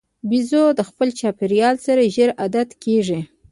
بیزو د خپل چاپېریال سره ژر عادت کېږي.